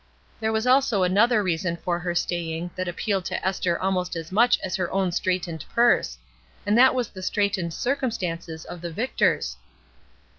There was also another reason for her staying that appealed to Esther almost as much as her own straitened purse, and that was the straitened circumstances of the Victors.